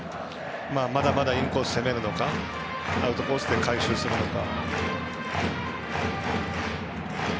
まだまだインコース攻めるのかアウトコースで回収するのか。